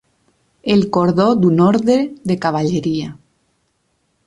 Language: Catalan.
El cordó d'un orde de cavalleria.